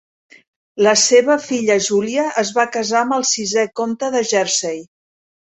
La seva filla Júlia es va casar amb el sisè comte de Jersey.